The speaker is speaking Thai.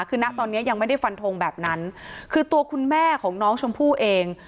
คือนะตอนนี้ยังไม่ได้ฟันทงแบบนั้นคือตัวคุณแม่ของน้องชมพู่เอง